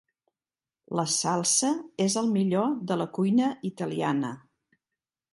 La salsa és el millor de la cuina italiana.